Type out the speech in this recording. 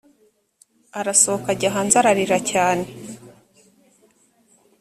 arasohoka ajya hanze ararira cyane